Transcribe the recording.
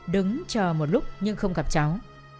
đứng chờ một lúc nhưng không gặp cháu